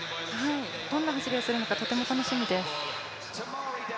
どんな走りをするのか、とても楽しみです。